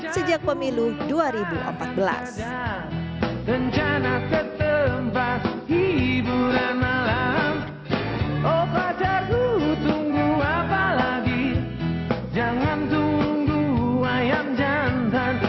sejak pemilu dua ribu empat belas rencana ketempat hiburan malam oh pacar ku tunggu apalagi jangan tunggu ayam jantan